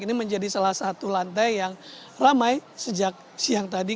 ini menjadi salah satu lantai yang ramai sejak siang tadi